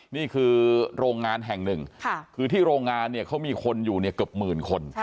นี่คือโรงงานแห่งหนึ่งคือที่โรงงานเนี่ยเขามีคนอยู่เนี่ยเกือบหมื่นคน